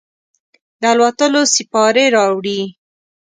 د الوتلوسیپارې راوړي